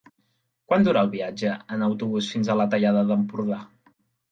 Quant dura el viatge en autobús fins a la Tallada d'Empordà?